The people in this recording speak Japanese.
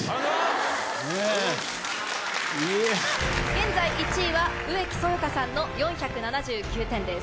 現在１位は植城微香さんの４７９点です。